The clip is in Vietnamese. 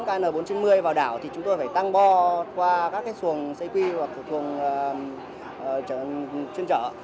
trường sa n bốn trăm chín mươi vào đảo thì chúng tôi phải tăng bò qua các cái xuồng xây quy hoặc là xuồng chuyên trở